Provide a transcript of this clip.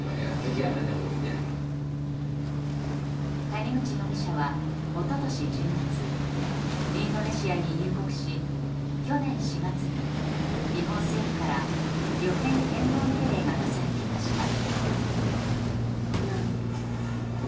谷口容疑者は、一昨年１０月インドネシアに入国し去年４月に日本政府から旅券返納命令が出されていました。